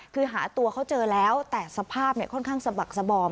คือหาตัวเขาเจอแล้วแต่สภาพค่อนข้างสะบักสบอม